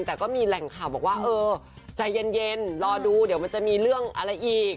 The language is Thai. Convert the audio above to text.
แต่ก็มีแหล่งข่าวบอกว่าเออใจเย็นรอดูเดี๋ยวมันจะมีเรื่องอะไรอีก